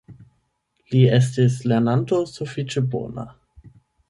Li estis lernanto sufiĉe bona.